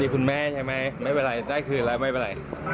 คุณแม่ใช่ไหมไม่เป็นไรได้คืนแล้วไม่เป็นไร